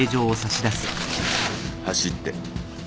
走って。